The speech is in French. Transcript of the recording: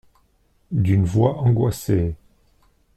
D’une voix angoissée.